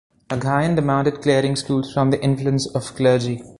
Aghayan demanded clearing schools from the influence of clergy.